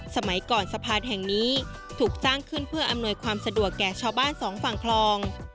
สมัยก่อนสะพานแห่งนี้ถูกสร้างขึ้นเพื่ออำนวยความสะดวกแก่ชาวบ้านสองฝั่งคลอง